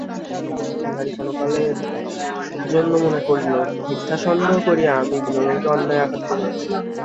বিহারী ক্ষণকালের জন্যে মনে করিল, মিথ্যা সন্দেহ করিয়া আমি বিনোদিনীকে অন্যায় আঘাত করিয়াছি।